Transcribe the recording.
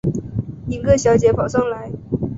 一个小姐跑上来